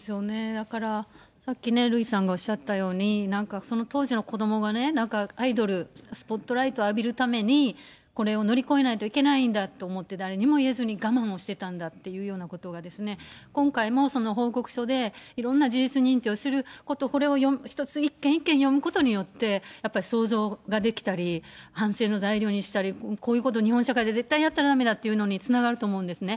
だから、さっきルイさんがおっしゃったように、なんかその当時の子どもがね、アイドル、スポットライトを浴びるために、これを乗り越えないといけないんだと思って誰にも言えずに我慢をしてたんだというようなことが、今回も報告書でいろんな事実認定をすること、これを一件一件読むことによって、やっぱり想像ができたり、反省の材料にしたり、こういうこと、日本社会に絶対にあったらだめだというのにつながると思うんですね。